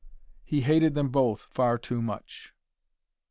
He hated them both far too much.